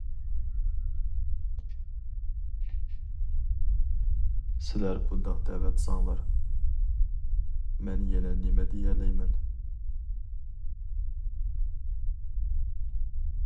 سىلەر بۇنداق دەۋاتساڭلار مەن يەنە نېمە دېيەلەيمەن.